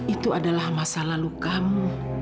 itu adalah masa lalu kamu